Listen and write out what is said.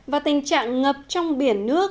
và tình trạng ngập trong biển nước